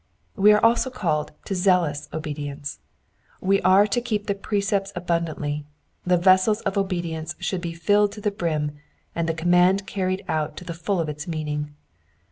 Wo are also called to zealous obedience. Wo are to keep the precepts abundantly : the vessels of obedience should be filled to the brim, and the command carried out to the full of its meaning.